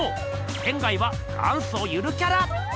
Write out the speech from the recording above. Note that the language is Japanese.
仙は元祖ゆるキャラ。